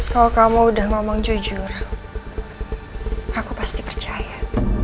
kalau kamu udah ngomong jujur aku pasti percaya